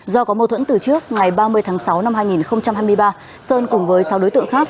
do có mâu thuẫn từ trước ngày ba mươi tháng sáu năm hai nghìn hai mươi ba sơn cùng với sáu đối tượng khác